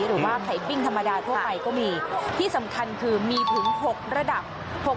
หรือว่าไข่ปิ้งธรรมดาทั่วไปก็มีที่สำคัญคือมีถึง๖ระดับ